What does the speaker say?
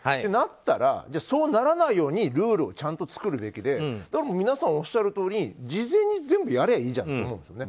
となれば、そうならないようにルールをちゃんと作るべきで皆さん、おっしゃるとおり事前に全部やればいいじゃんと。